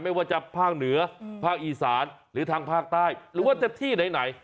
ไม่ว่าจะภาคเหนือภาคอีสานหรือทางภาคใต้หรือว่าจะที่ไหน